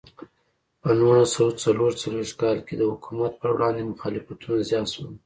په نولس سوه څلور څلوېښت کال کې د حکومت پر وړاندې مخالفتونه زیات شول.